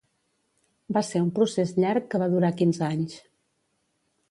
Va ser un procés llarg que va durar quinze anys.